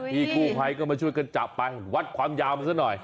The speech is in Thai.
พี่กู้ภัยก็มาช่วยกันจับไปวัดความยาวมันซะหน่อย